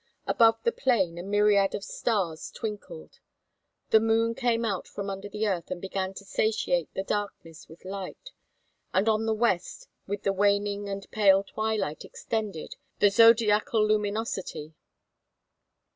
Above the plain a myriad of stars twinkled. The moon came out from under the earth and began to satiate the darkness with light, and on the west with the waning and pale twilight extended the zodiacal luminosity.